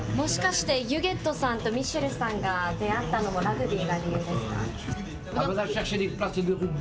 もしかしてユゲットさんとミシェルさんが出会ったのもラグビあー！